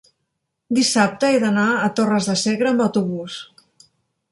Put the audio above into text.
dissabte he d'anar a Torres de Segre amb autobús.